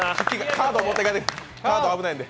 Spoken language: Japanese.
カード危ないんで。